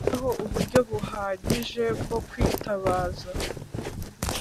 Hashyizweho uburyo buhagije bwo kwitabaza .